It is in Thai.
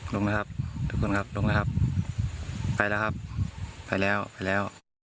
ลงไหมครับทุกคนครับลงแล้วครับไปแล้วครับไปแล้วไปแล้ว